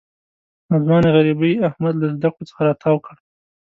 ناځوانه غریبۍ احمد له زده کړو څخه را تاو کړ.